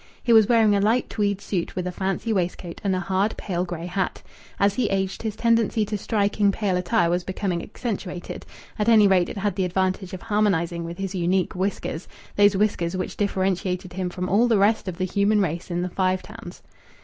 He was wearing a light tweed suit, with a fancy waistcoat and a hard, pale grey hat. As he aged, his tendency to striking pale attire was becoming accentuated; at any rate, it had the advantage of harmonizing with his unique whiskers those whiskers which differentiated him from all the rest of the human race in the Five Towns.